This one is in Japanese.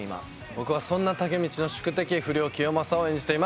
僕はそんな武道の宿敵不良キヨマサを演じています。